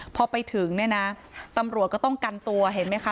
พอไปถึงเนี่ยนะตำรวจก็ต้องกันตัวเห็นไหมคะ